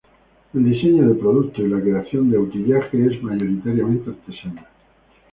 El diseño de productos y la creación de utillaje es mayoritariamente artesana.